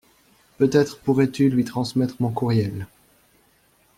Peut-être pourrais-tu lui transmettre mon courriel.